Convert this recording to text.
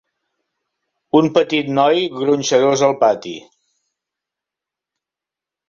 Un petit noi Gronxadors al pati.